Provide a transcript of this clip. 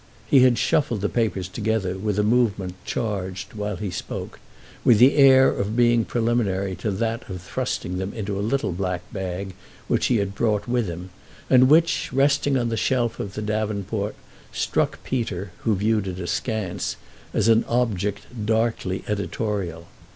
He had shuffled the papers together with a movement charged, while he spoke, with the air of being preliminary to that of thrusting them into a little black bag which he had brought with him and which, resting on the shelf of the davenport, struck Peter, who viewed it askance, as an object darkly editorial.